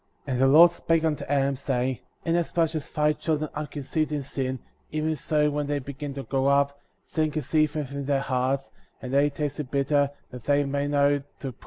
55. And the Lord spake unto Adam, saying: Inasmuch as thy children are conceived in sin,^ even so when they begin to grow up, sin conceiveth in their hearts, and they taste the bitter, that they may know to prize the good.